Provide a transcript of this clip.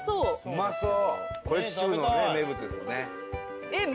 うまそう！